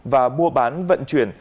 và mua bán vận chuyển